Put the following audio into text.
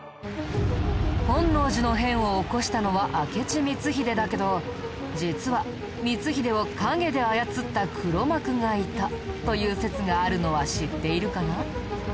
本能寺の変を起こしたのは明智光秀だけど実は光秀を陰で操った黒幕がいたという説があるのは知っているかな？